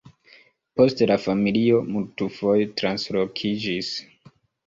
Poste la familio multfoje translokiĝis.